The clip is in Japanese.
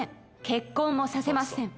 結婚もさせません